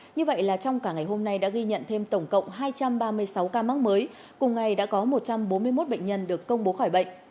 như vậy là trong cả ngày hôm nay đã ghi nhận thêm tổng cộng hai trăm ba mươi sáu ca mắc mới cùng ngày đã có một trăm bốn mươi một bệnh nhân được công bố khỏi bệnh